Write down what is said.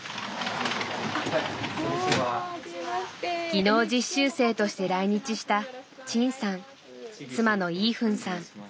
技能実習生として来日したチンさん妻のイーフンさん。